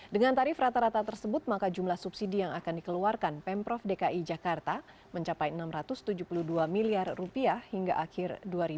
dengan tarif rata rata tersebut maka jumlah subsidi yang akan dikeluarkan pemprov dki jakarta mencapai rp enam ratus tujuh puluh dua miliar hingga akhir dua ribu dua puluh